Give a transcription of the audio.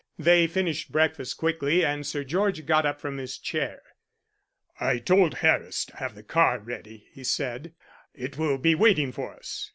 They finished breakfast quickly, and Sir George got up from his chair. "I told Harris to have the car ready," he said. "It will be waiting for us."